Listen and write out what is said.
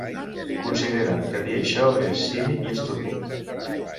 Consideren que dir això és cínic i estúpid.